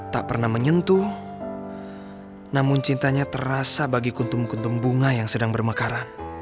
tak pernah menyentuh namun cintanya terasa bagi kuntum kuntum bunga yang sedang bermekaran